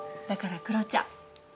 だからクロちゃん。